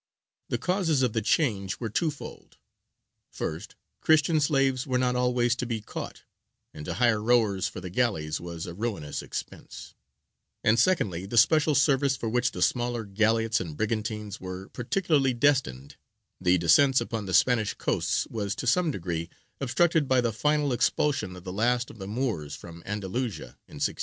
The causes of the change were twofold: first, Christian slaves were not always to be caught, and to hire rowers for the galleys was a ruinous expense; and secondly, the special service for which the smaller galleots and brigantines were particularly destined, the descents upon the Spanish coasts was to some degree obstructed by the final expulsion of the last of the Moors from Andalusia in 1610.